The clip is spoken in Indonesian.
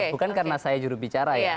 bukan karena saya juru bicara ya